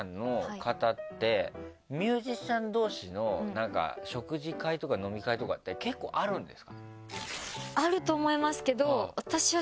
ミュージシャン同士の食事会とか飲み会とかって結構あるんですか？